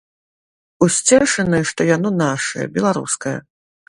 Усцешаны, што яно нашае, беларускае.